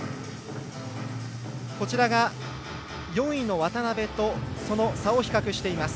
こちらが４位の渡部とその差を比較しています。